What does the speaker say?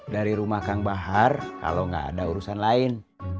dari rumah kang bahar kalau nggak ada urusan lain